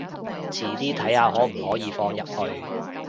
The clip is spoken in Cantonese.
遲啲睇下可唔可以放入去